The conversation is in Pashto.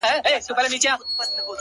تا په درد كاتــــه اشــــنــــا.!